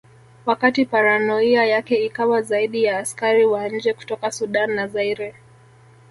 Wakati paranoia yake ikawa zaidi ya askari wa nje kutoka Sudan na Zaire